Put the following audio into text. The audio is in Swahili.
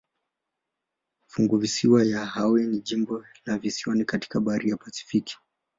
Funguvisiwa ya Hawaii ni jimbo la visiwani katika bahari ya Pasifiki.